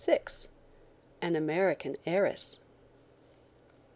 AN AMERICAN HEIRESS.